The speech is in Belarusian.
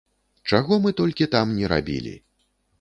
Чаго мы толькі там ні рабілі!